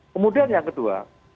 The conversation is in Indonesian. kemudian yang kedua